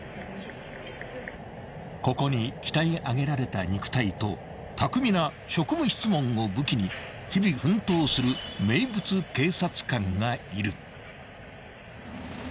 ［ここに鍛え上げられた肉体と巧みな職務質問を武器に日々奮闘する名物警察官がいる］